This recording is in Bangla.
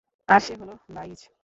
আর সে হল লাঈছ।